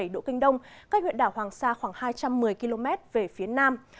một trăm một mươi hai bảy độ kinh đông cách huyện đảo hoàng sa khoảng hai trăm một mươi km về phía nam